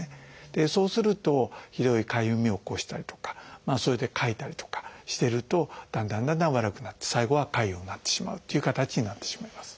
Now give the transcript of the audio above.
そうするとひどいかゆみを起こしたりとかそれでかいたりとかしてるとだんだんだんだん悪くなって最後は潰瘍になってしまうっていう形になってしまいます。